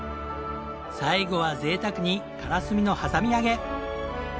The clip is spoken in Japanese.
最後は贅沢にカラスミのはさみ揚げ！